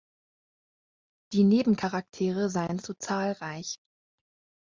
Die Nebencharaktere seien zu zahlreich.